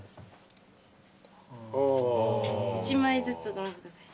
１枚ずつご覧ください。